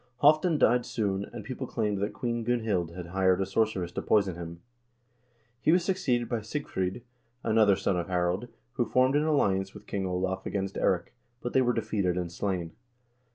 Halvdan died soon, and people claimed that Queen Gunhild had hired a sorceress to poison him. He was succeeded by Sigfr0d, another son of Harald, who formed an alliance with King Olav against Eirik, but they were defeated and slain.